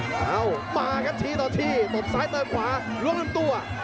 แล้วมากันทีต่อที่ตรงซ้ายเติมขวาร่วงร่วมตัว